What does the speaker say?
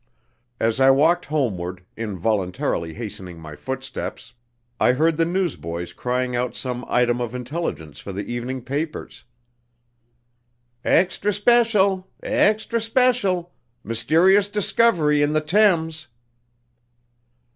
As I walked homeward, involuntarily hastening my footsteps, I heard the newsboys crying out some item of intelligence for the evening papers. "Extry Speshul! Extry Speshul!" "Mysterious Discovery in the Thames!"